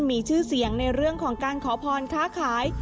มีชื่อเสียงในเรื่องของการขอพรค้าขาย